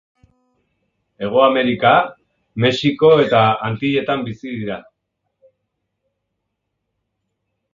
Hego Amerika, Mexiko eta Antilletan bizi dira.